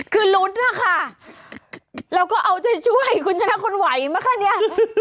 คือลุ้นนะคะเราก็เอาใจช่วยคุณชนะคุณไหวไหมคะเนี่ย